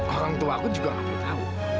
orang tua aku juga gak perlu tahu